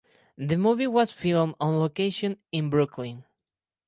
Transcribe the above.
The movie was filmed on location in Brooklyn.